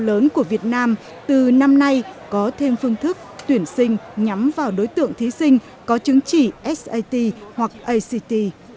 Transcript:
các trường đại học của việt nam từ năm nay có thêm phương thức tuyển sinh nhắm vào đối tượng thí sinh có chứng chỉ sat hoặc act